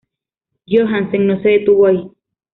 Johansen no se detuvo ahí.